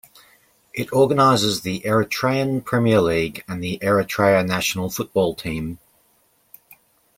It organizes the Eritrean Premier League and the Eritrea national football team.